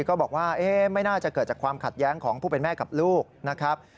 ก็บอกว่าไม่น่าจะเกิดจากความขัดแย้งของผู้เป็นแม่กับลูกนะครับ